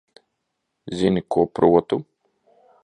Zini, ko protu?